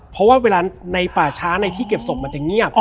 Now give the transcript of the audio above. เพราะว่าเวลาในป่าช้าในที่เก็บศพมันจะเงียบ